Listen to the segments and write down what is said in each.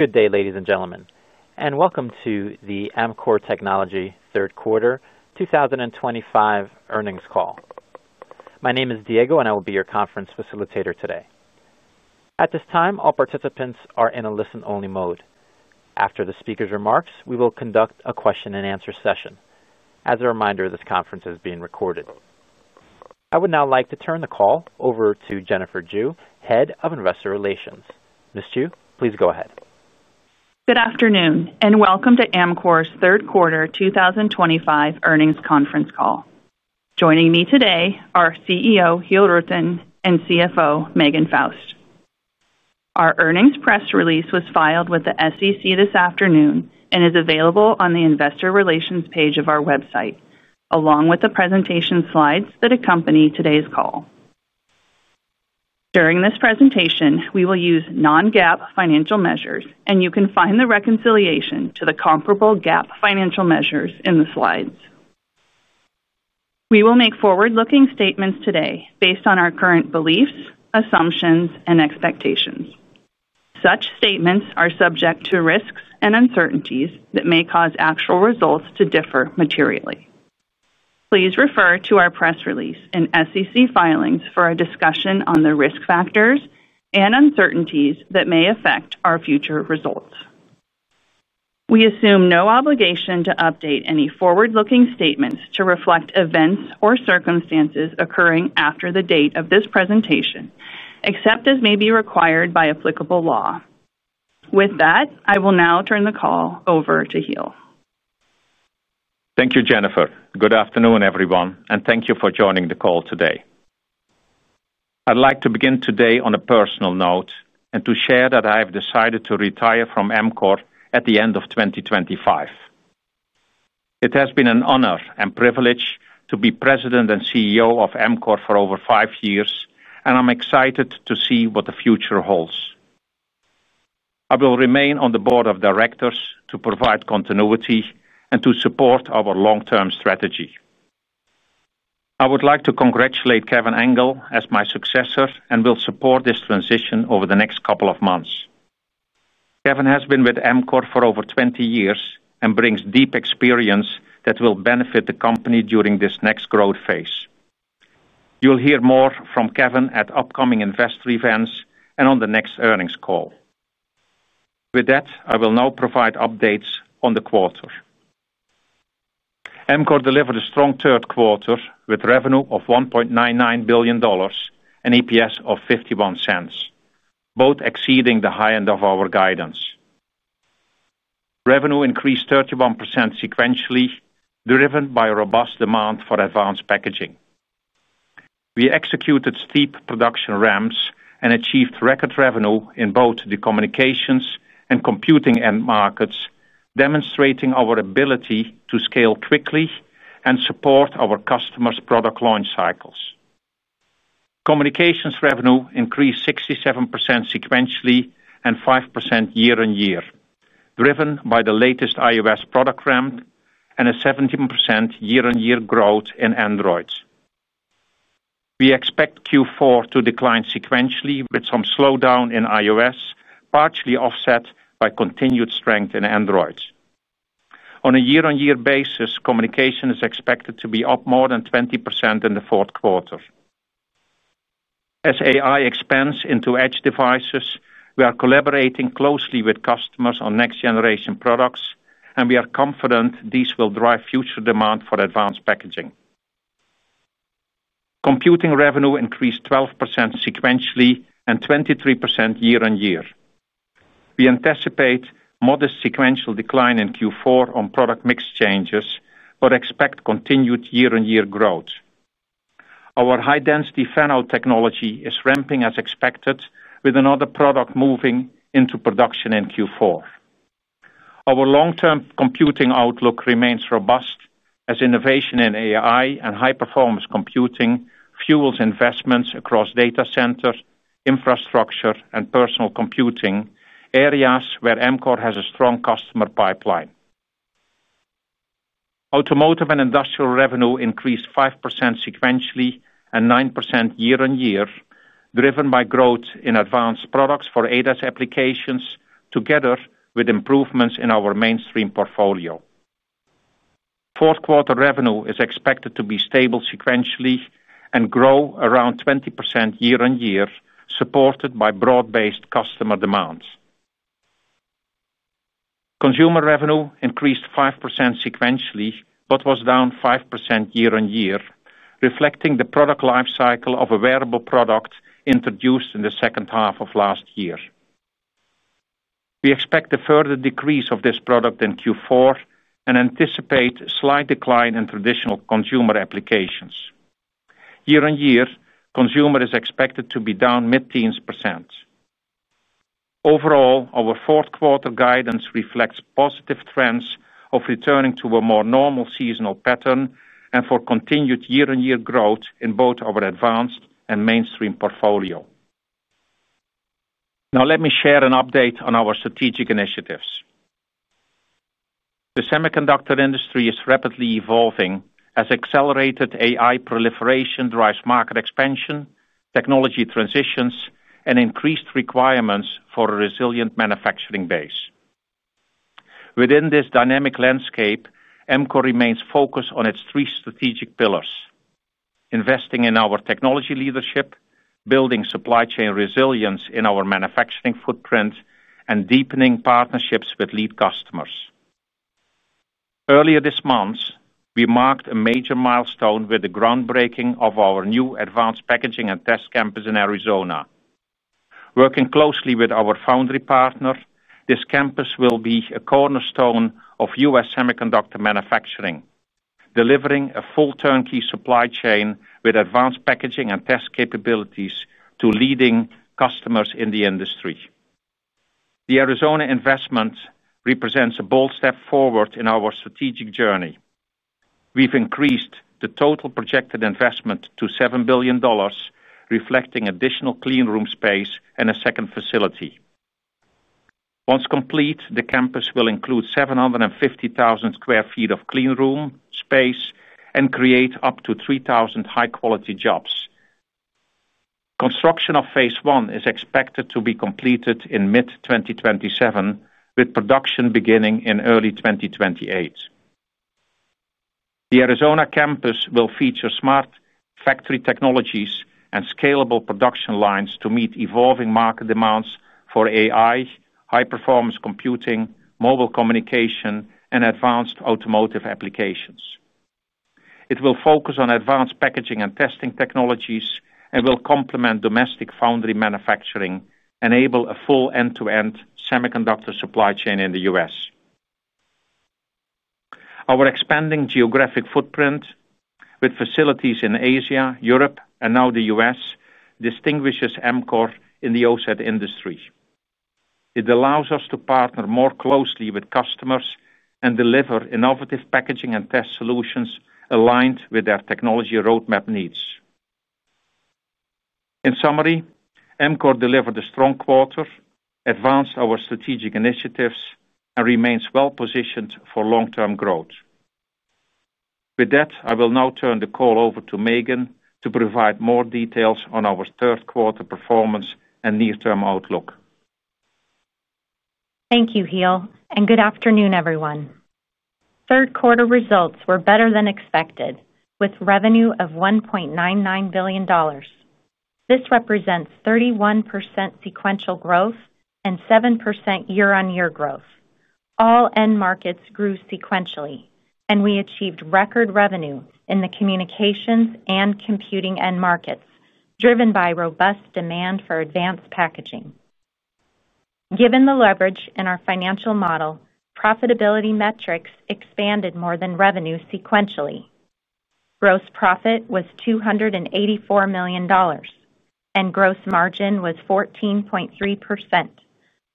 Good day, ladies and gentlemen, and welcome to the Amkor Technology third quarter 2025 earnings call. My name is Diego, and I will be your conference facilitator today. At this time, all participants are in a listen-only mode. After the speaker's remarks, we will conduct a question-and-answer session. As a reminder, this conference is being recorded. I would now like to turn the call over to Jennifer Jue, Head of Investor Relations. Ms. Jue, please go ahead. Good afternoon, and welcome to Amkor's third quarter 2025 earnings conference call. Joining me today are CEO Giel Rutten and CFO Megan Faust. Our earnings press release was filed with the SEC this afternoon and is available on the Investor Relations page of our website, along with the presentation slides that accompany today's call. During this presentation, we will use non-GAAP financial measures, and you can find the reconciliation to the comparable GAAP financial measures in the slides. We will make forward-looking statements today based on our current beliefs, assumptions, and expectations. Such statements are subject to risks and uncertainties that may cause actual results to differ materially. Please refer to our press release and SEC filings for a discussion on the risk factors and uncertainties that may affect our future results. We assume no obligation to update any forward-looking statements to reflect events or circumstances occurring after the date of this presentation, except as may be required by applicable law. With that, I will now turn the call over to Giel. Thank you, Jennifer. Good afternoon, everyone, and thank you for joining the call today. I'd like to begin today on a personal note and to share that I have decided to retire from Amkor at the end of 2025. It has been an honor and privilege to be President and CEO of Amkor for over five years, and I'm excited to see what the future holds. I will remain on the Board of Directors to provide continuity and to support our long-term strategy. I would like to congratulate Kevin Engel as my successor and will support this transition over the next couple of months. Kevin has been with Amkor for over 20 years and brings deep experience that will benefit the company during this next growth phase. You'll hear more from Kevin at upcoming investor events and on the next earnings call. With that, I will now provide updates on the quarter. Amkor delivered a strong third quarter with revenue of $1.99 billion and EPS of $0.51, both exceeding the high end of our guidance. Revenue increased 31% sequentially, driven by robust demand for advanced packaging. We executed steep production ramps and achieved record revenue in both the communications and computing end markets, demonstrating our ability to scale quickly and support our customers' product launch cycles. Communications revenue increased 67% sequentially and 5% year-on-year, driven by the latest iOS product ramp and a 17% year-on-year growth in Android. We expect Q4 to decline sequentially with some slowdown in iOS, partially offset by continued strength in Android. On a year-on-year basis, communication is expected to be up more than 20% in the fourth quarter. As AI expands into edge devices, we are collaborating closely with customers on next-generation products, and we are confident these will drive future demand for advanced packaging. Computing revenue increased 12% sequentially and 23% year-on-year. We anticipate a modest sequential decline in Q4 on product mix changes but expect continued year-on-year growth. Our high-density fan-out technology is ramping as expected, with another product moving into production in Q4. Our long-term computing outlook remains robust, as innovation in AI and high-performance computing fuels investments across data center, infrastructure, and personal computing, areas where Amkor has a strong customer pipeline. Automotive and industrial revenue increased 5% sequentially and 9% year-on-year, driven by growth in advanced products for ADAS applications, together with improvements in our mainstream portfolio. Fourth quarter revenue is expected to be stable sequentially and grow around 20% year-on-year, supported by broad-based customer demands. Consumer revenue increased 5% sequentially but was down 5% year-on-year, reflecting the product lifecycle of a wearable product introduced in the second half of last year. We expect a further decrease of this product in Q4 and anticipate a slight decline in traditional consumer applications. Year-on-year, consumer is expected to be down mid-teens percent. Overall, our fourth quarter guidance reflects positive trends of returning to a more normal seasonal pattern and for continued year-on-year growth in both our advanced and mainstream portfolio. Now, let me share an update on our strategic initiatives. The semiconductor industry is rapidly evolving as accelerated AI proliferation drives market expansion, technology transitions, and increased requirements for a resilient manufacturing base. Within this dynamic landscape, Amkor remains focused on its three strategic pillars: investing in our technology leadership, building supply chain resilience in our manufacturing footprint, and deepening partnerships with lead customers. Earlier this month, we marked a major milestone with the groundbreaking of our new advanced packaging and test campus in Arizona. Working closely with our foundry partner, this campus will be a cornerstone of U.S. semiconductor manufacturing, delivering a full turnkey supply chain with advanced packaging and test capabilities to leading customers in the industry. The Arizona investment represents a bold step forward in our strategic journey. We've increased the total projected investment to $7 billion, reflecting additional clean room space and a second facility. Once complete, the campus will include 750,000 square feet of clean room space and create up to 3,000 high-quality jobs. Construction of phase I is expected to be completed in mid-2027, with production beginning in early 2028. The Arizona campus will feature smart factory technologies and scalable production lines to meet evolving market demands for AI, high-performance computing, mobile communication, and advanced automotive applications. It will focus on advanced packaging and testing technologies and will complement domestic foundry manufacturing, enabling a full end-to-end semiconductor supply chain in the U.S. Our expanding geographic footprint, with facilities in Asia, Europe, and now the U.S., distinguishes Amkor in the OSAT industry. It allows us to partner more closely with customers and deliver innovative packaging and test solutions aligned with their technology roadmap needs. In summary, Amkor delivered a strong quarter, advanced our strategic initiatives, and remains well-positioned for long-term growth. With that, I will now turn the call over to Megan to provide more details on our third quarter performance and near-term outlook. Thank you, Giel, and good afternoon, everyone. Third quarter results were better than expected, with revenue of $1.99 billion. This represents 31% sequential growth and 7% year-on-year growth. All end markets grew sequentially, and we achieved record revenue in the communications and computing end markets, driven by robust demand for advanced packaging. Given the leverage in our financial model, profitability metrics expanded more than revenue sequentially. Gross profit was $284 million, and gross margin was 14.3%,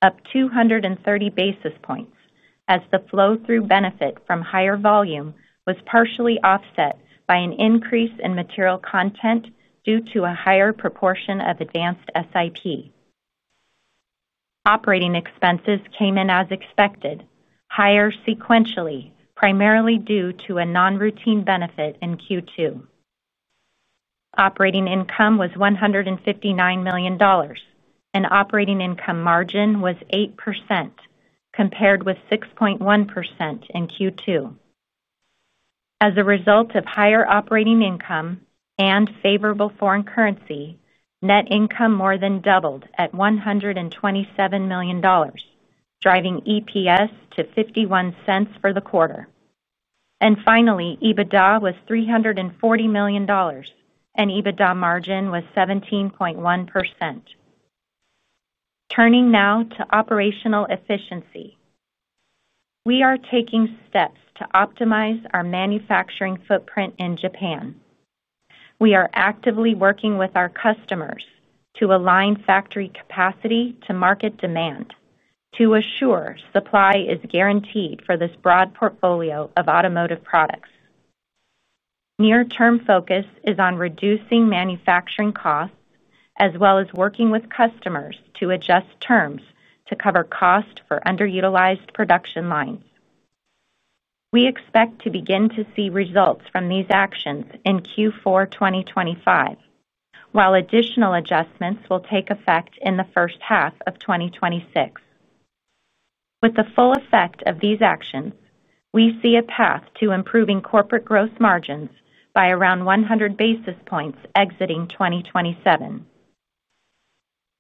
up 230 basis points, as the flow-through benefit from higher volume was partially offset by an increase in material content due to a higher proportion of advanced SiP. Operating expenses came in as expected, higher sequentially, primarily due to a non-routine benefit in Q2. Operating income was $159 million, and operating income margin was 8%, compared with 6.1% in Q2. As a result of higher operating income and favorable foreign currency, net income more than doubled at $127 million, driving EPS to $0.51 for the quarter. Finally, EBITDA was $340 million, and EBITDA margin was 17.1%. Turning now to operational efficiency, we are taking steps to optimize our manufacturing footprint in Japan. We are actively working with our customers to align factory capacity to market demand to assure supply is guaranteed for this broad portfolio of automotive products. Near-term focus is on reducing manufacturing costs, as well as working with customers to adjust terms to cover costs for underutilized production lines. We expect to begin to see results from these actions in Q4 2025, while additional adjustments will take effect in the first half of 2026. With the full effect of these actions, we see a path to improving corporate gross margins by around 100 basis points exiting 2027.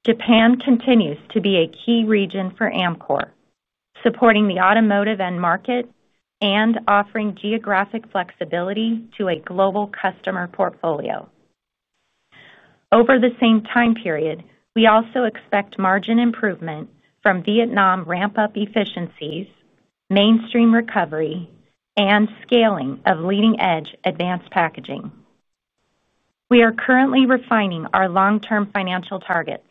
Japan continues to be a key region for Amkor, supporting the automotive end market and offering geographic flexibility to a global customer portfolio. Over the same time period, we also expect margin improvement from Vietnam ramp-up efficiencies, mainstream recovery, and scaling of leading-edge advanced packaging. We are currently refining our long-term financial targets,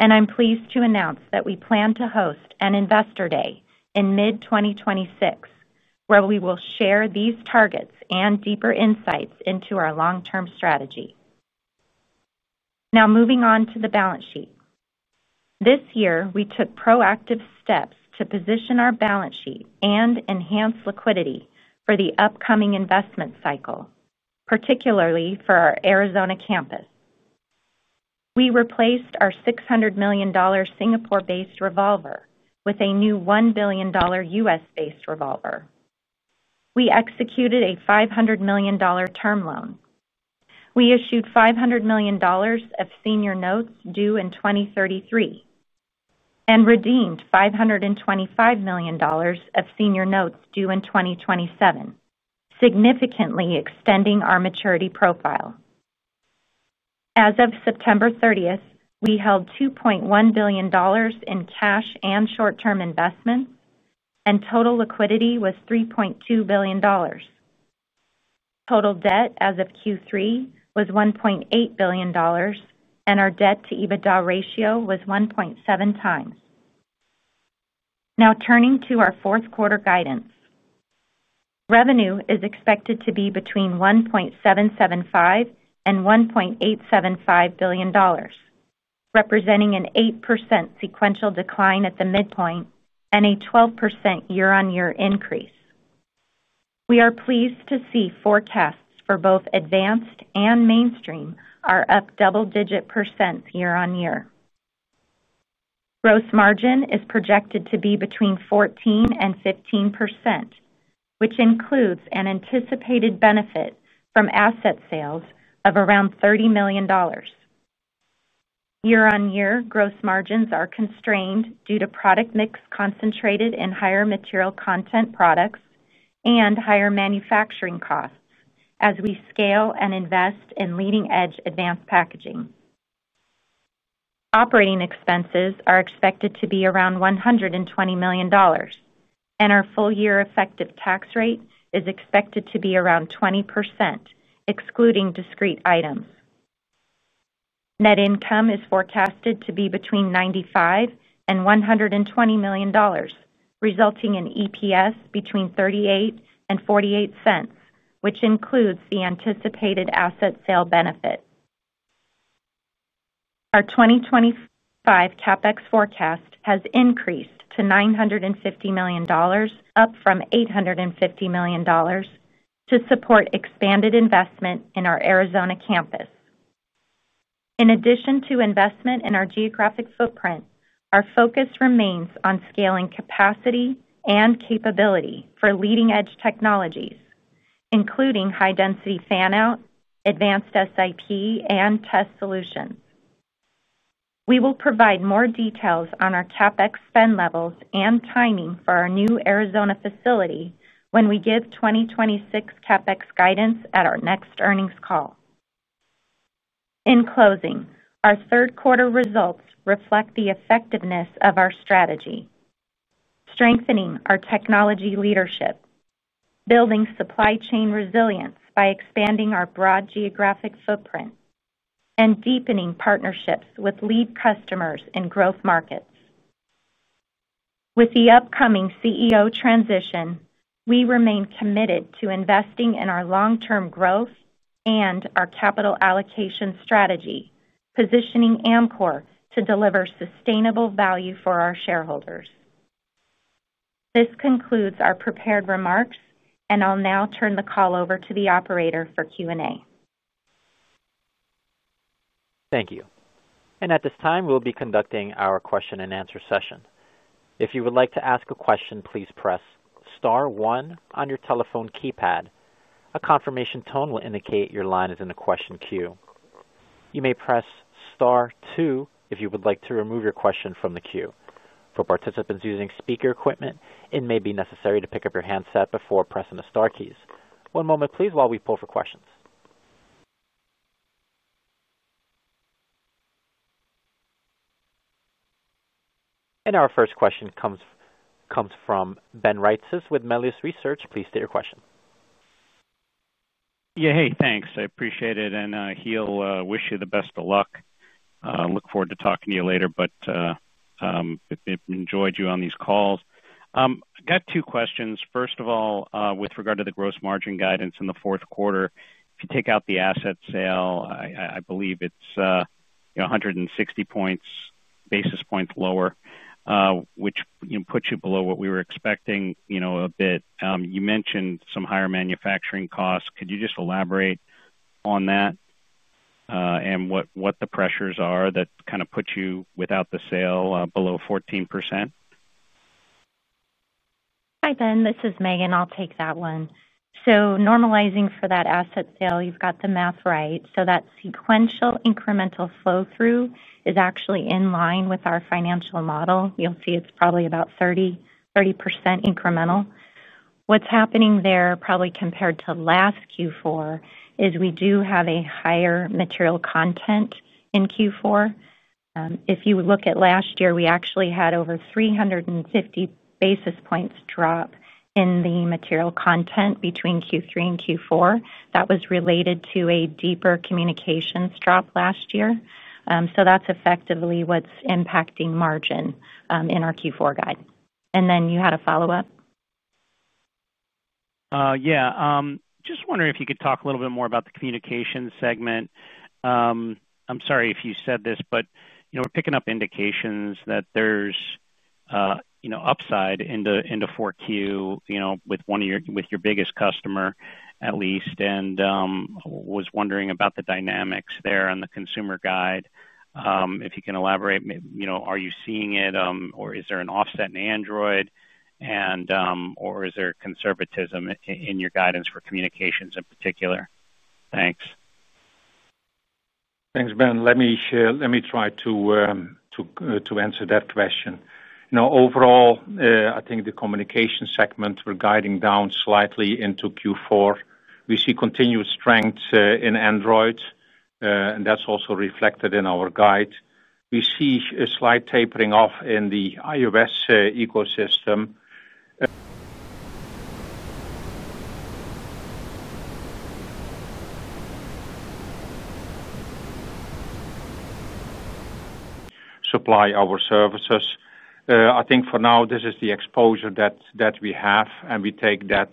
and I'm pleased to announce that we plan to host an Investor Day in mid-2026, where we will share these targets and deeper insights into our long-term strategy. Now, moving on to the balance sheet. This year, we took proactive steps to position our balance sheet and enhance liquidity for the upcoming investment cycle, particularly for our Arizona campus. We replaced our $600 million Singapore-based revolver with a new $1 billion U.S.-based revolver. We executed a $500 million term loan. We issued $500 million of senior notes due in 2033 and redeemed $525 million of senior notes due in 2027, significantly extending our maturity profile. As of September 30th, we held $2.1 billion in cash and short-term investments, and total liquidity was $3.2 billion. Total debt as of Q3 was $1.8 billion, and our debt-to-EBITDA ratio was 1.7x. Now, turning to our fourth quarter guidance, revenue is expected to be between $1.775 billion and $1.875 billion, representing an 8% sequential decline at the midpoint and a 12% year-on-year increase. We are pleased to see forecasts for both advanced and mainstream are up double-digit percent year-on-year. Gross margin is projected to be between 14% and 15%, which includes an anticipated benefit from asset sales of around $30 million. Year-on-year gross margins are constrained due to product mix concentrated in higher material content products and higher manufacturing costs as we scale and invest in leading-edge advanced packaging. Operating expenses are expected to be around $120 million, and our full-year effective tax rate is expected to be around 20%, excluding discrete items. Net income is forecasted to be between $95 million and $120 million, resulting in EPS between $0.38 and $0.48, which includes the anticipated asset sale benefit. Our 2025 CapEx forecast has increased to $950 million, up from $850 million, to support expanded investment in our Arizona campus. In addition to investment in our geographic footprint, our focus remains on scaling capacity and capability for leading-edge technologies, including high-density fan-out, advanced SiP, and test solutions. We will provide more details on our CapEx spend levels and timing for our new Arizona facility when we give 2026 CapEx guidance at our next earnings call. In closing, our third quarter results reflect the effectiveness of our strategy, strengthening our technology leadership, building supply chain resilience by expanding our broad geographic footprint, and deepening partnerships with lead customers in growth markets. With the upcoming CEO transition, we remain committed to investing in our long-term growth and our capital allocation strategy, positioning Amkor to deliver sustainable value for our shareholders. This concludes our prepared remarks, and I'll now turn the call over to the operator for Q&A. Thank you. At this time, we'll be conducting our question-and-answer session. If you would like to ask a question, please press star one on your telephone keypad. A confirmation tone will indicate your line is in the question queue. You may press star two if you would like to remove your question from the queue. For participants using speaker equipment, it may be necessary to pick up your handset before pressing the star keys. One moment, please, while we pull for questions. Our first question comes from Ben Reitzes with Melius Research. Please state your question. Yeah, hey, thanks. I appreciate it, and Giel, wish you the best of luck. I look forward to talking to you later, but I've enjoyed you on these calls. I've got two questions. First of all, with regard to the gross margin guidance in the fourth quarter, if you take out the asset sale, I believe it's 160 basis points lower, which puts you below what we were expecting a bit. You mentioned some higher manufacturing costs. Could you just elaborate on that and what the pressures are that kind of put you without the sale below 14%? Hi, Ben. This is Megan. I'll take that one. Normalizing for that asset sale, you've got the math right. That sequential incremental flow-through is actually in line with our financial model. You'll see it's probably about 30% incremental. What's happening there, probably compared to last Q4, is we do have a higher material content in Q4. If you look at last year, we actually had over 350 basis points drop in the material content between Q3 and Q4. That was related to a deeper communications drop last year. That's effectively what's impacting margin in our Q4 guide. You had a follow-up? Yeah. Just wondering if you could talk a little bit more about the communications segment. I'm sorry if you said this, but we're picking up indications that there's upside into Q4 with one of your biggest customers, at least, and was wondering about the dynamics there on the consumer guide. If you can elaborate, are you seeing it, or is there an offset in Android, or is there conservatism in your guidance for communications in particular? Thanks. Thanks, Ben. Let me try to answer that question. You know, overall, I think the communications segment, we're guiding down slightly into Q4. We see continued strength in Android, and that's also reflected in our guide. We see a slight tapering off in the iOS ecosystem. Supply our services. I think for now, this is the exposure that we have, and we take that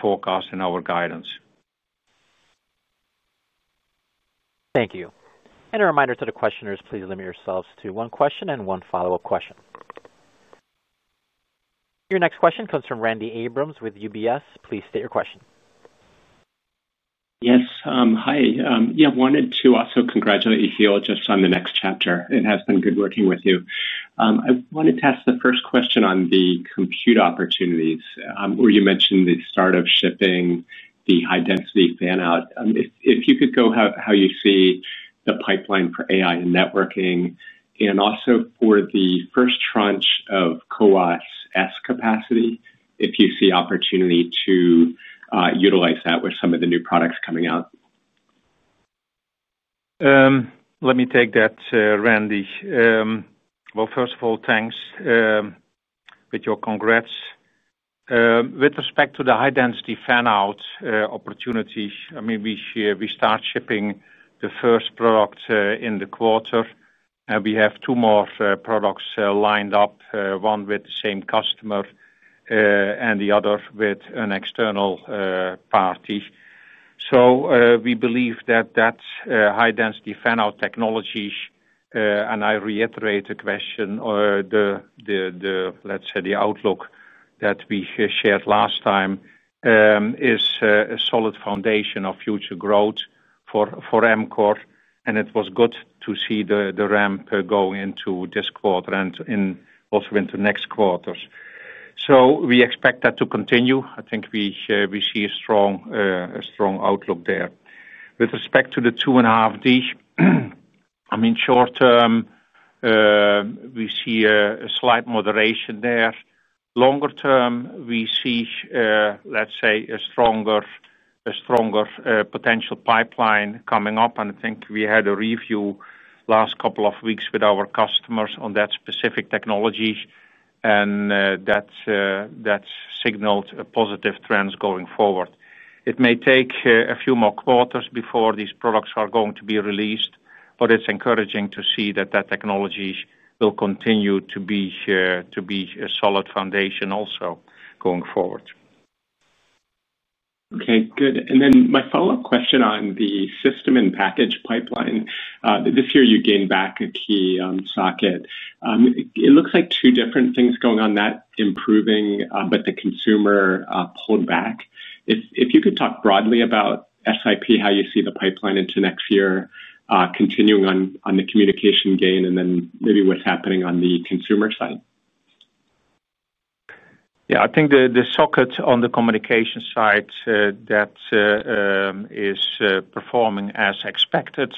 forecast in our guidance. Thank you. A reminder to the questioners, please limit yourselves to one question and one follow-up question. Your next question comes from Randy Abrams with UBS. Please state your question. Yes. Hi. I wanted to also congratulate you, Giel, just on the next chapter. It has been good working with you. I wanted to ask the first question on the compute opportunities where you mentioned the start of shipping the high-density fan-out. If you could go how you see the pipeline for AI and networking, and also for the first tranche of Co-S s capacity, if you see opportunity to utilize that with some of the new products coming out. Let me take that, Randy. First of all, thanks for your congrats. With respect to the high-density fan-out opportunity, we start shipping the first product in the quarter. We have two more products lined up, one with the same customer and the other with an external party. We believe that high-density fan-out technology, and I reiterate the question, let's say the outlook that we shared last time, is a solid foundation of future growth for Amkor, and it was good to see the ramp going into this quarter and also into next quarters. We expect that to continue. I think we see a strong outlook there. With respect to the 2.5D, short term, we see a slight moderation there. Longer term, we see, let's say, a stronger potential pipeline coming up. I think we had a review last couple of weeks with our customers on that specific technology, and that signaled positive trends going forward. It may take a few more quarters before these products are going to be released, but it's encouraging to see that technology will continue to be a solid foundation also going forward. Okay, good. My follow-up question on the system-in-package pipeline: this year, you gained back a key socket. It looks like two different things going on, that improving, but the consumer pulled back. If you could talk broadly about SiP, how you see the pipeline into next year, continuing on the communication gain, and then maybe what's happening on the consumer side. Yeah, I think the socket on the communication side is performing as expected.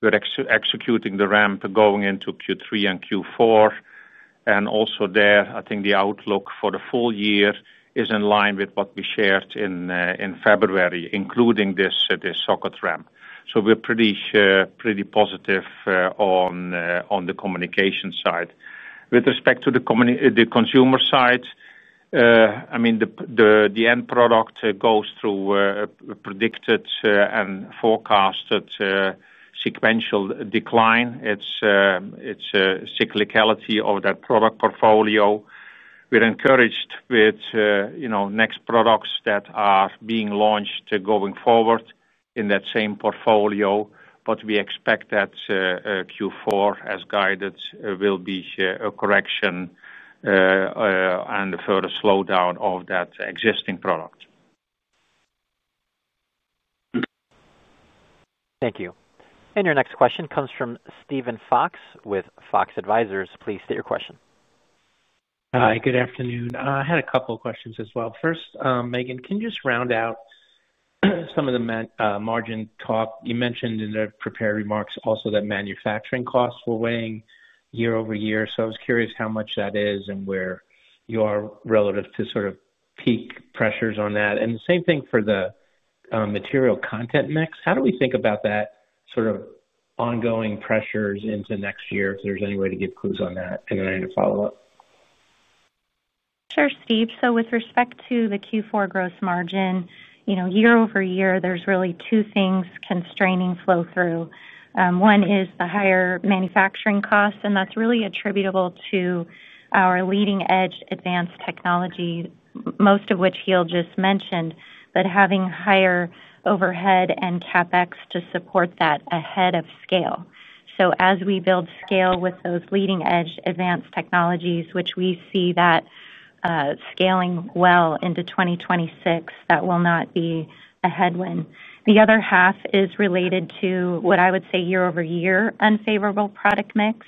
We're executing the ramp going into Q3 and Q4. I think the outlook for the full year is in line with what we shared in February, including this socket ramp. We're pretty positive on the communication side. With respect to the consumer side, the end product goes through a predicted and forecasted sequential decline. It's a cyclicality of that product portfolio. We're encouraged with next products that are being launched going forward in that same portfolio, but we expect that Q4, as guided, will be a correction and a further slowdown of that existing product. Thank you. Your next question comes from Steven Fox with Fox Advisors. Please state your question. Hi, good afternoon. I had a couple of questions as well. First, Megan, can you just round out some of the margin talk? You mentioned in the prepared remarks also that manufacturing costs were weighing year-over-year. I was curious how much that is and where you are relative to sort of peak pressures on that. The same thing for the material content mix. How do we think about that sort of ongoing pressures into next year if there's any way to give clues on that and then any follow-up? Sure, Steve. With respect to the Q4 gross margin, year-over-year, there's really two things constraining flow-through. One is the higher manufacturing costs, and that's really attributable to our leading-edge advanced technologies, most of which Giel just mentioned, but having higher overhead and CapEx to support that ahead of scale. As we build scale with those leading-edge advanced technologies, which we see that scaling well into 2026, that will not be a headwind. The other half is related to what I would say is year-over-year unfavorable product mix.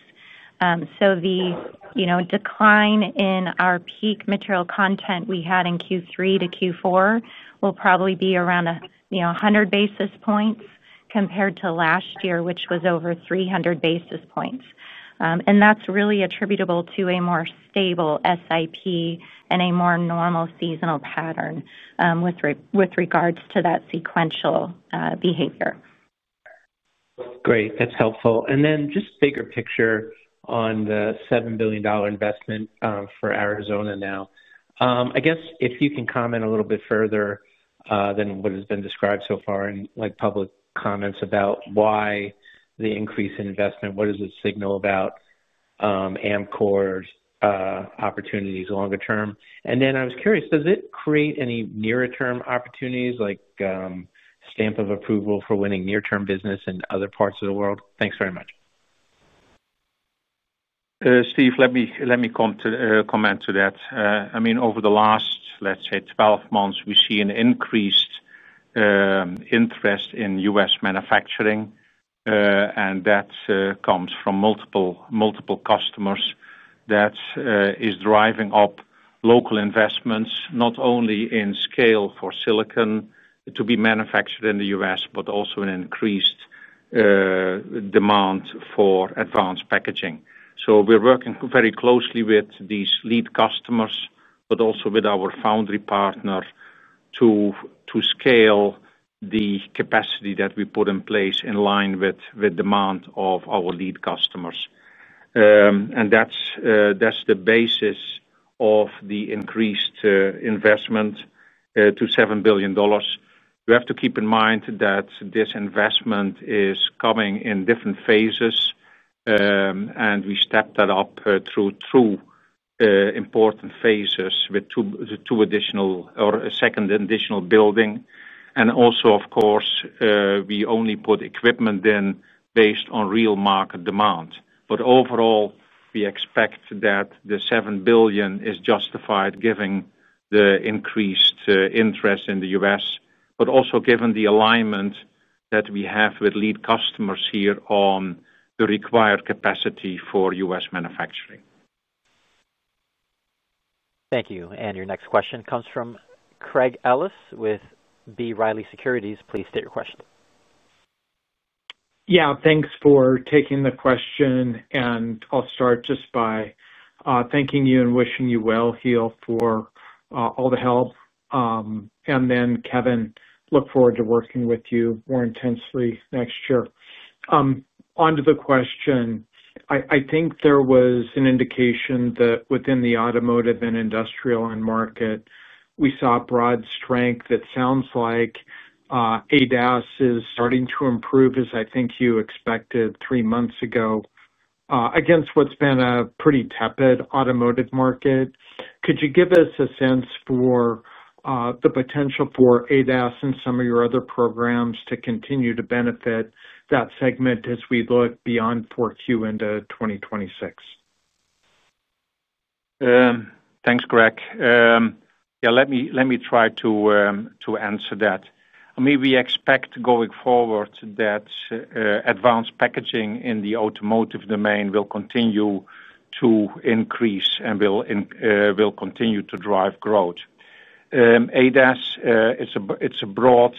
The decline in our peak material content we had in Q3 to Q4 will probably be around 100 basis points compared to last year, which was over 300 basis points. That's really attributable to a more stable advanced SiP and a more normal seasonal pattern with regards to that sequential behavior. Great. That's helpful. Just a bigger picture on the $7 billion investment for Arizona now. I guess if you can comment a little bit further than what has been described so far in public comments about why the increase in investment, what does it signal about Amkor's opportunities longer term? I was curious, does it create any nearer-term opportunities like stamp of approval for winning near-term business in other parts of the world? Thanks very much. Steve, let me comment to that. I mean, over the last, let's say, 12 months, we see an increased interest in U.S. manufacturing, and that comes from multiple customers that is driving up local investments, not only in scale for silicon to be manufactured in the U.S., but also an increased demand for advanced packaging. We are working very closely with these lead customers, but also with our foundry partner to scale the capacity that we put in place in line with the demand of our lead customers. That's the basis of the increased investment to $7 billion. You have to keep in mind that this investment is coming in different phases, and we stepped that up through two important phases with two additional or a second additional building. Also, of course, we only put equipment in based on real market demand. Overall, we expect that the $7 billion is justified given the increased interest in the U.S., but also given the alignment that we have with lead customers here on the required capacity for U.S. manufacturing. Thank you. Your next question comes from Craig Ellis with B. Riley Securities. Please state your question. Yeah, thanks for taking the question. I'll start just by thanking you and wishing you well, Giel, for all the help. Kevin, look forward to working with you more intensely next year. On to the question, I think there was an indication that within the automotive and industrial end market, we saw broad strength. It sounds like ADAS is starting to improve, as I think you expected three months ago, against what's been a pretty tepid automotive market. Could you give us a sense for the potential for ADAS and some of your other programs to continue to benefit that segment as we look beyond Q4 into 2026? Thanks, Craig. Let me try to answer that. I mean, we expect going forward that advanced packaging in the automotive domain will continue to increase and will continue to drive growth. ADAS, it's a broad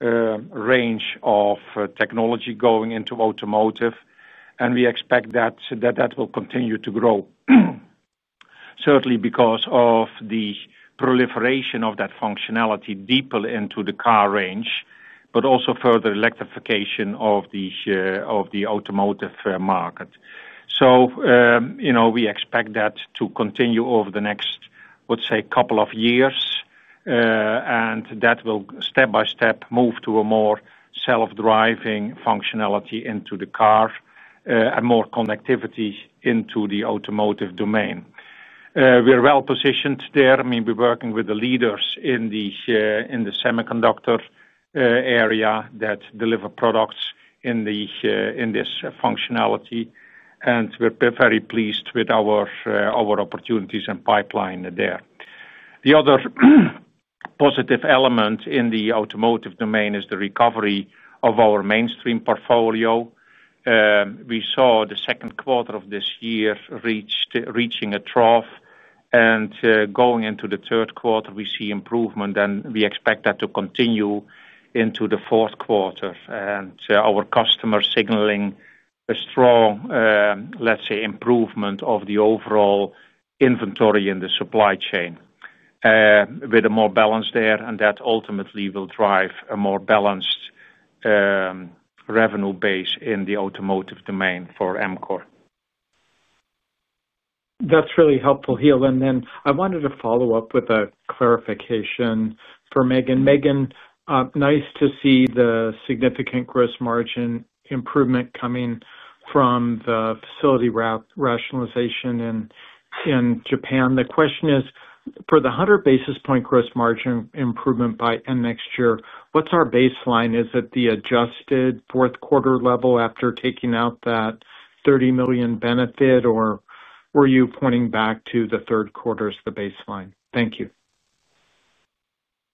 range of technology going into automotive, and we expect that that will continue to grow, certainly because of the proliferation of that functionality deeper into the car range, but also further electrification of the automotive market. We expect that to continue over the next, let's say, couple of years, and that will step by step move to a more self-driving functionality into the car and more connectivity into the automotive domain. We're well positioned there. I mean, we're working with the leaders in the semiconductor area that deliver products in this functionality, and we're very pleased with our opportunities and pipeline there. The other positive element in the automotive domain is the recovery of our mainstream portfolio. We saw the second quarter of this year reaching a trough, and going into the third quarter, we see improvement, and we expect that to continue into the fourth quarter. Our customers are signaling a strong, let's say, improvement of the overall inventory in the supply chain with a more balanced air, and that ultimately will drive a more balanced revenue base in the automotive domain for Amkor. That's really helpful, Giel. I wanted to follow up with a clarification for Megan. Megan, nice to see the significant gross margin improvement coming from the facility rationalization in Japan. The question is, for the 100 basis point gross margin improvement by end of next year, what's our baseline? Is it the adjusted fourth quarter level after taking out that $30 million benefit, or were you pointing back to the third quarter as the baseline? Thank you.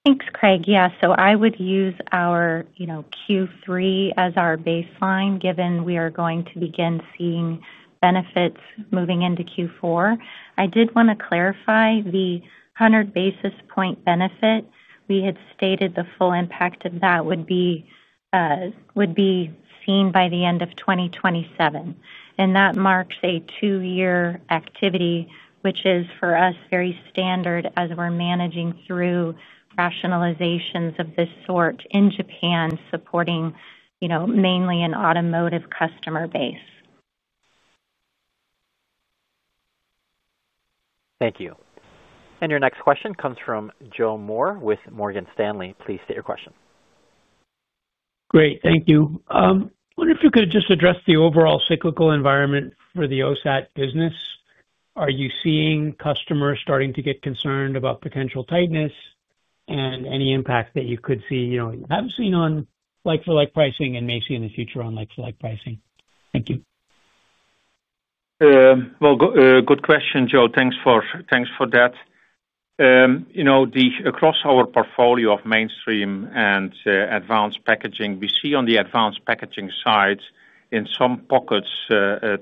Thanks, Craig. I would use our Q3 as our baseline, given we are going to begin seeing benefits moving into Q4. I did want to clarify the 100 basis point benefit. We had stated the full impact of that would be seen by the end of 2027. That marks a two-year activity, which is for us very standard as we're managing through rationalizations of this sort in Japan, supporting mainly an automotive customer base. Thank you. Your next question comes from Joe Moore with Morgan Stanley. Please state your question. Great. Thank you. I wonder if you could just address the overall cyclical environment for the OSAT business. Are you seeing customers starting to get concerned about potential tightness and any impact that you could see, you know, you haven't seen on like-for-like pricing and may see in the future on like-for-like pricing? Thank you. Good question, Joe. Thanks for that. You know, across our portfolio of mainstream and advanced packaging, we see on the advanced packaging side in some pockets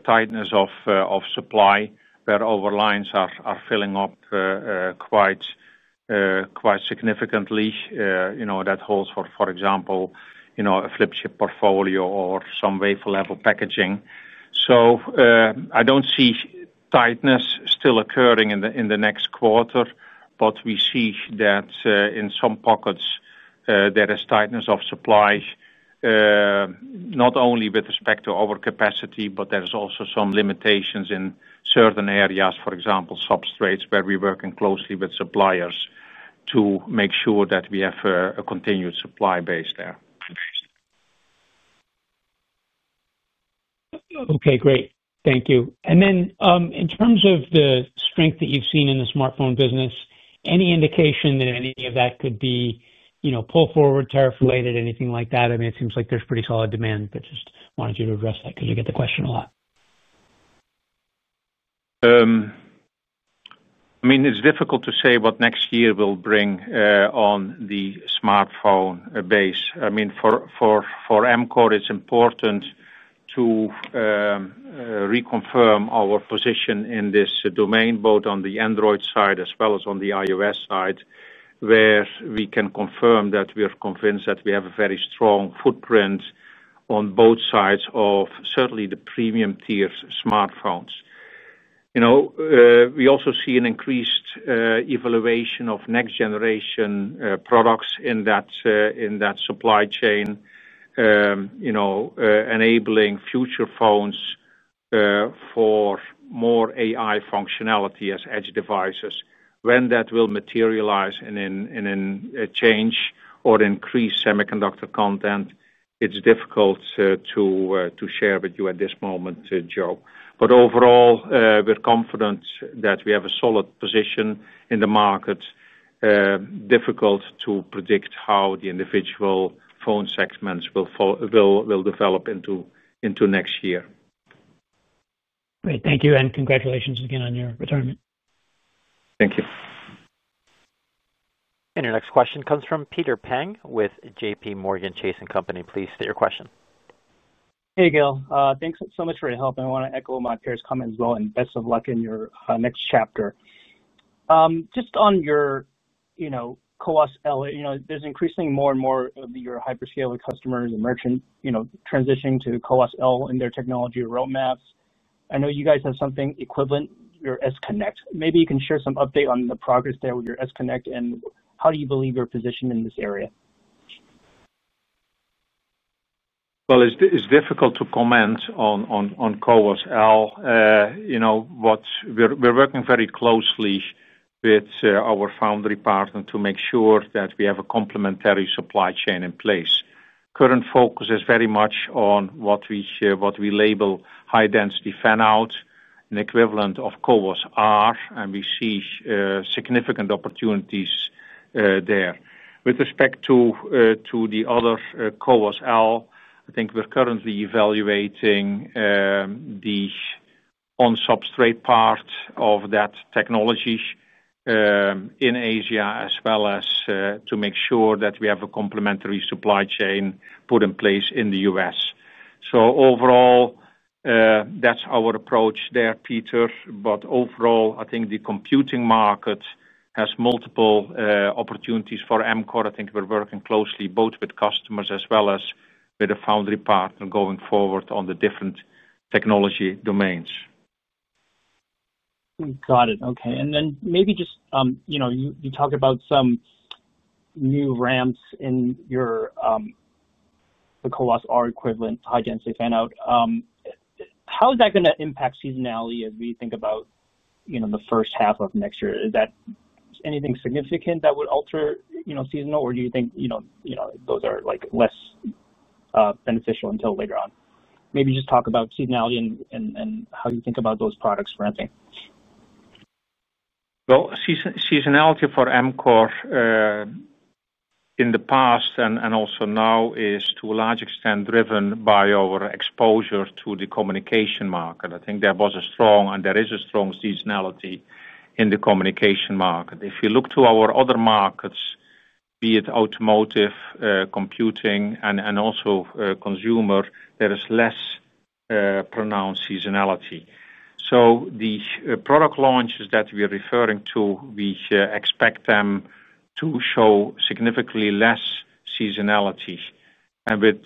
tightness of supply where our lines are filling up quite significantly. That holds for, for example, a flip chip portfolio or some wafer-level packaging. I don't see tightness still occurring in the next quarter, but we see that in some pockets there is tightness of supply, not only with respect to our capacity, but there's also some limitations in certain areas, for example, substrates where we're working closely with suppliers to make sure that we have a continued supply base there. Okay, great. Thank you. In terms of the strength that you've seen in the smartphone business, any indication that any of that could be pull forward, tariff-related, anything like that? It seems like there's pretty solid demand, but just wanted you to address that because we get the question a lot. I mean, it's difficult to say what next year will bring on the smartphone base. For Amkor, it's important to reconfirm our position in this domain, both on the Android side as well as on the iOS side, where we can confirm that we're convinced that we have a very strong footprint on both sides of certainly the premium-tier smartphones. We also see an increased evaluation of next-generation products in that supply chain, enabling future phones for more AI functionality as edge devices. When that will materialize in a change or increased semiconductor content, it's difficult to share with you at this moment, Joe. Overall, we're confident that we have a solid position in the market. Difficult to predict how the individual phone segments will develop into next year. Great. Thank you. Congratulations again on your retirement. Thank you. Your next question comes from Peter Peng with JPMorgan Chase & Co. Please state your question. Hey, Giel. Thanks so much for your help. I want to echo my peers' comments as well, and best of luck in your next chapter. Just on your CoWoS-L, there's increasingly more and more of your hyperscaler customers and merchants transitioning to CoWoS-L in their technology roadmaps. I know you guys have something equivalent, your S-Connect. Maybe you can share some update on the progress there with your S-Connect and how do you believe your position in this area? It's difficult to comment on CoWoS-L. You know, we're working very closely with our foundry partner to make sure that we have a complementary supply chain in place. Current focus is very much on what we label high-density fan-out, an equivalent of CoWoS-L, and we see significant opportunities there. With respect to the other CoWoS-L, I think we're currently evaluating the on-substrate part of that technology in Asia, as well as to make sure that we have a complementary supply chain put in place in the U.S. Overall, that's our approach there, Peter. Overall, I think the computing market has multiple opportunities for Amkor. I think we're working closely both with customers as well as with a foundry partner going forward on the different technology domains. Got it. Okay. You talk about some new ramps in your Co-SR equivalent high-density fan-out. How is that going to impact seasonality as we think about the first half of next year? Is that anything significant that would alter seasonal, or do you think those are like less beneficial until later on? Maybe just talk about seasonality and how you think about those products ramping. Seasonality for Amkor in the past and also now is to a large extent driven by our exposure to the communication market. I think there was a strong and there is a strong seasonality in the communication market. If you look to our other markets, be it automotive, computing, and also consumer, there is less pronounced seasonality. The product launches that we're referring to, we expect them to show significantly less seasonality. With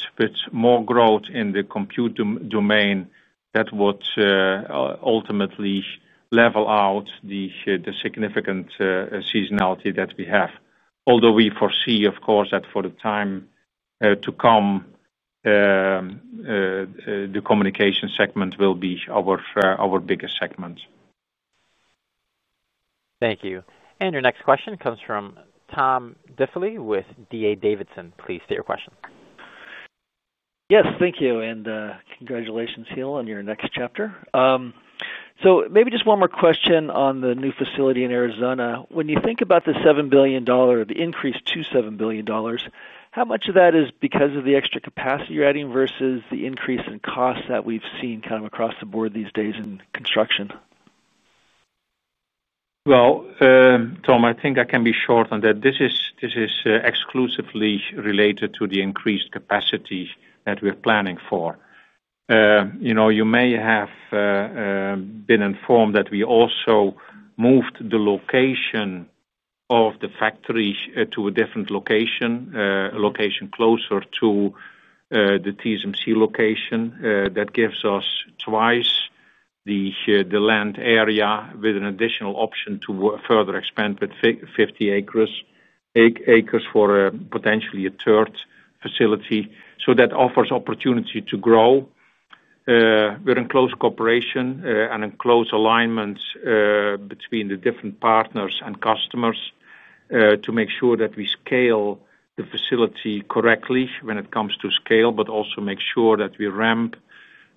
more growth in the compute domain, that would ultimately level out the significant seasonality that we have. Although we foresee, of course, that for the time to come, the communication segment will be our biggest segment. Thank you. Your next question comes from Tom Diffely with D.A. Davidson. Please state your question. Yes, thank you. Congratulations, Giel, on your next chapter. Maybe just one more question on the new facility in Arizona. When you think about the $7 billion or the increase to $7 billion, how much of that is because of the extra capacity you're adding versus the increase in costs that we've seen across the board these days in construction? Tom, I think I can be short on that. This is exclusively related to the increased capacity that we're planning for. You may have been informed that we also moved the location of the factory to a different location, a location closer to the TSMC location. That gives us twice the land area with an additional option to further expand with 50 acres for potentially a third facility. That offers opportunity to grow. We're in close cooperation and in close alignment between the different partners and customers to make sure that we scale the facility correctly when it comes to scale, but also make sure that we ramp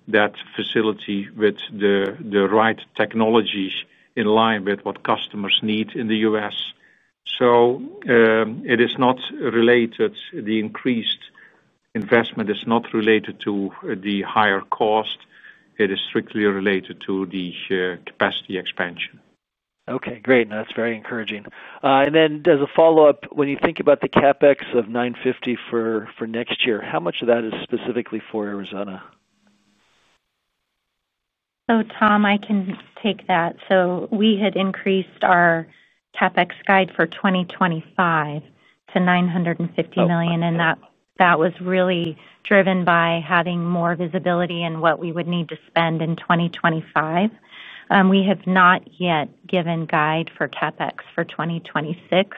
that facility with the right technology in line with what customers need in the U.S. It is not related. The increased investment is not related to the higher cost. It is strictly related to the capacity expansion. Okay, great. That's very encouraging. As a follow-up, when you think about the CapEx of $950 million for next year, how much of that is specifically for Arizona? I can take that. We had increased our CapEx guide for 2025 to $950 million, and that was really driven by having more visibility in what we would need to spend in 2025. We have not yet given a guide for CapEx for 2026.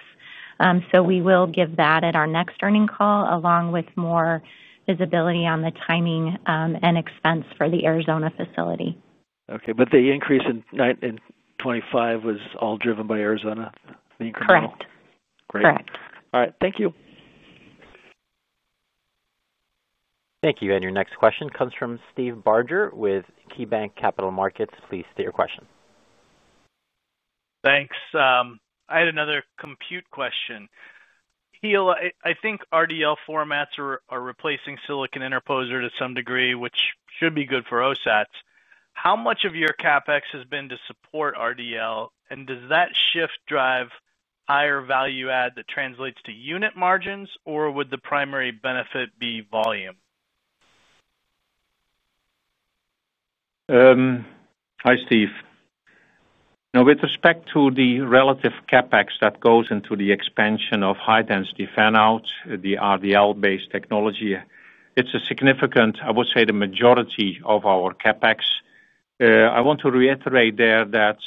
We will give that at our next earnings call, along with more visibility on the timing and expense for the Arizona facility. Okay. The increase in '25 was all driven by Arizona, the increase? Correct. Great. Correct. All right. Thank you. Thank you. Your next question comes from Steve Barger with KeyBanc Capital Markets. Please state your question. Thanks. I had another compute question. Giel, I think RDL formats are replacing silicon interposer to some degree, which should be good for OSATs. How much of your CapEx has been to support RDL, and does that shift drive higher value add that translates to unit margins, or would the primary benefit be volume? Hi, Steve. No, with respect to the relative CapEx that goes into the expansion of high-density fan-out, the RDL-based technology, it's a significant, I would say, the majority of our CapEx. I want to reiterate there that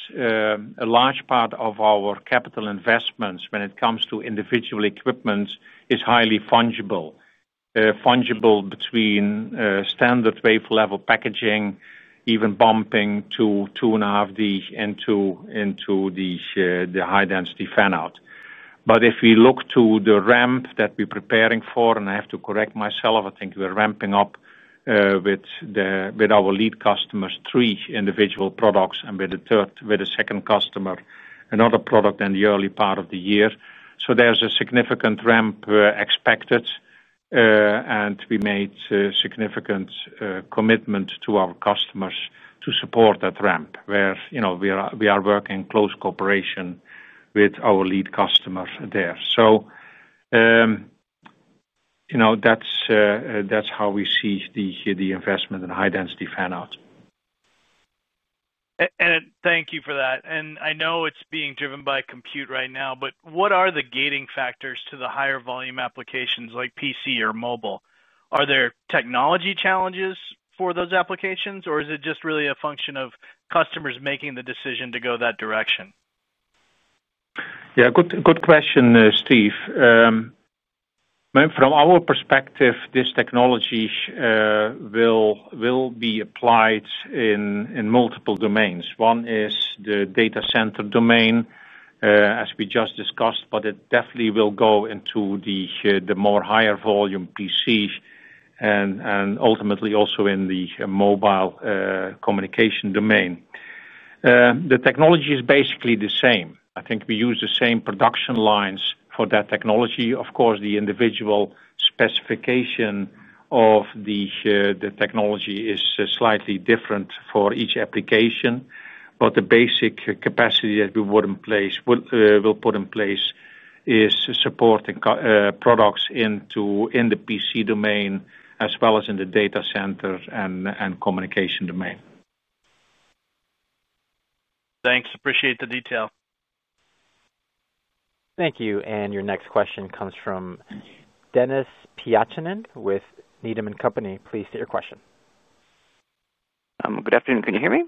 a large part of our capital investments when it comes to individual equipment is highly fungible, fungible between standard wafer-level packaging, even bumping to 2.5D into the high-density fan-out. If we look to the ramp that we're preparing for, I have to correct myself, I think we're ramping up with our lead customers, three individual products, and with the second customer, another product in the early part of the year. There's a significant ramp expected, and we made a significant commitment to our customers to support that ramp, where we are working in close cooperation with our lead customer there. That's how we see the investment in high-density fan-out. Thank you for that. I know it's being driven by compute right now, but what are the gating factors to the higher volume applications like PC or mobile? Are there technology challenges for those applications, or is it just really a function of customers making the decision to go that direction? Good question, Steve. From our perspective, this technology will be applied in multiple domains. One is the data center domain, as we just discussed, but it definitely will go into the more higher volume PC and ultimately also in the mobile communication domain. The technology is basically the same. I think we use the same production lines for that technology. Of course, the individual specification of the technology is slightly different for each application, but the basic capacity that we will put in place is supporting products in the PC domain as well as in the data center and communication domain. Thanks. Appreciate the detail. Thank you. Your next question comes from Denis Pyatchanin with Needham & Company. Please state your question. Good afternoon. Can you hear me?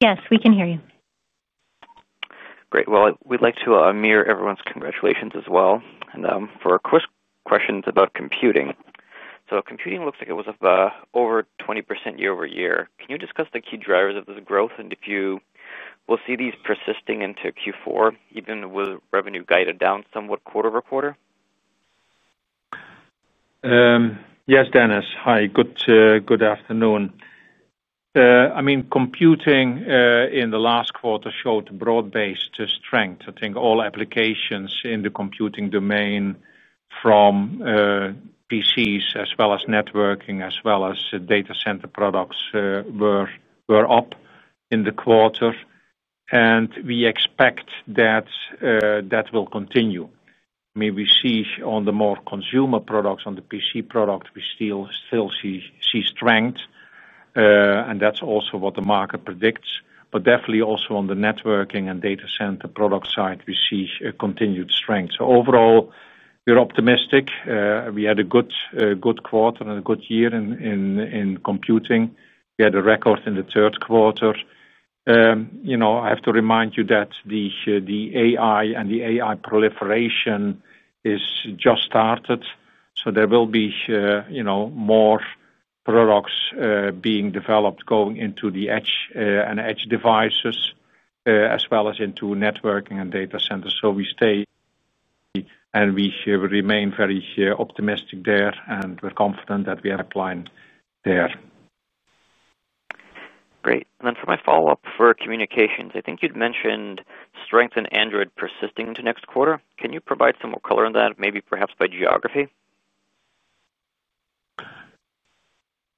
Yes, we can hear you. Great. We'd like to mirror everyone's congratulations as well. For our questions about computing, computing looks like it was up over 20% year-over-year. Can you discuss the key drivers of this growth and if you will see these persisting into Q4, even with revenue guided down somewhat quarter-over-quarter? Yes, Denis. Hi. Good afternoon. Computing in the last quarter showed broad-based strength. I think all applications in the computing domain from PCs as well as networking as well as data center products were up in the quarter, and we expect that will continue. We see on the more consumer products, on the PC product, we still see strength, and that's also what the market predicts. Definitely also on the networking and data center product side, we see continued strength. Overall, we're optimistic. We had a good quarter and a good year in computing. We had a record in the third quarter. I have to remind you that the AI and the AI proliferation has just started. There will be more products being developed going into the edge and edge devices as well as into networking and data centers. We stay and we remain very optimistic there, and we're confident that we have a pipeline there. Great. For my follow-up for communications, I think you'd mentioned strength in Android persisting into next quarter. Can you provide some more color in that, maybe perhaps by geography?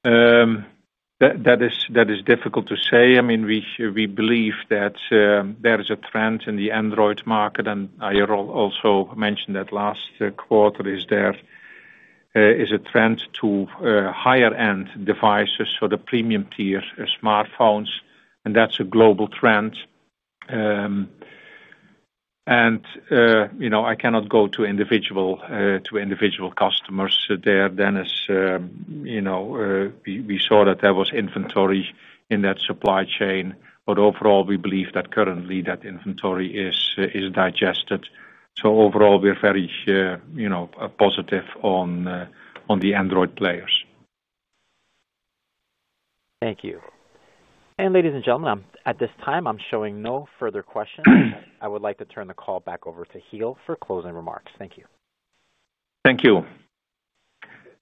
That is difficult to say. I mean, we believe that there is a trend in the Android market, and I also mentioned that last quarter there is a trend to higher-end devices, the premium-tier smartphones, and that's a global trend. I cannot go to individual customers there, Denis. We saw that there was inventory in that supply chain, but overall, we believe that currently that inventory is digested. Overall, we're very positive on the Android players. Thank you. Ladies and gentlemen, at this time, I'm showing no further questions. I would like to turn the call back over to Giel for closing remarks. Thank you. Thank you.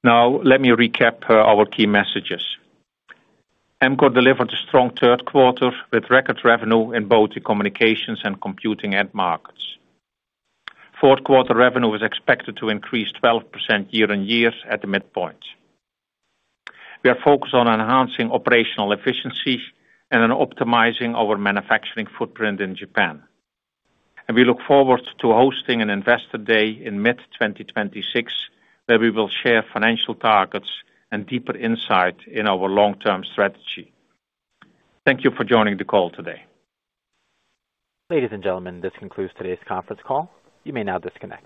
Now, let me recap our key messages. Amkor delivered a strong third quarter with record revenue in both the communications and computing end markets. Fourth quarter revenue was expected to increase 12% year on year at the midpoint. We are focused on enhancing operational efficiency and optimizing our manufacturing footprint in Japan. We look forward to hosting an investor day in mid-2026 where we will share financial targets and deeper insight in our long-term strategy. Thank you for joining the call today. Ladies and gentlemen, this concludes today's conference call. You may now disconnect.